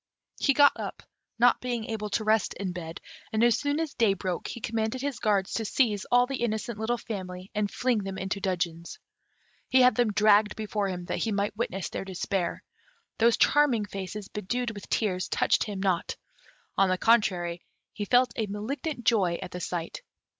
He got up, not being able to rest in bed; and as soon as day broke, he commanded his guards to seize all the innocent little family, and fling them into dungeons. He had them dragged before him, that he might witness their despair. Those charming faces, bedewed with tears, touched him not; on the contrary, he felt a malignant joy at the sight.